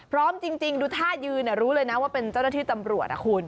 พร้อมจริงดูท่ายืนรู้เลยนะว่าเป็นเจ้าหน้าที่ตำรวจนะคุณ